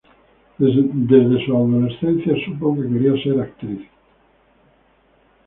Desde su adolescencia supo que quería ser actriz.